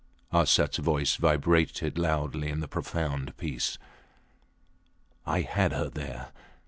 Arsats voice vibrated loudly in the profound peace. I had her there!